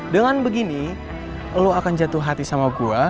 dengan begini lo akan jatuh hati sama gua